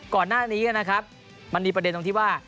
ก่อนหน้านี้นะครับมันมีประเด็นตรงที่ว่า